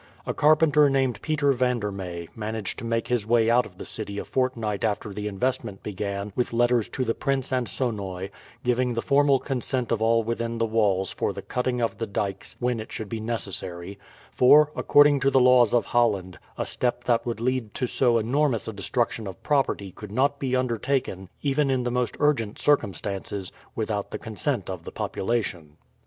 A carpenter named Peter Van der Mey managed to make his way out of the city a fortnight after the investment began with letters to the Prince and Sonoy, giving the formal consent of all within the walls for the cutting of the dykes when it should be necessary; for, according to the laws of Holland, a step that would lead to so enormous a destruction of property could not be undertaken, even in the most urgent circumstances, without the consent of the population.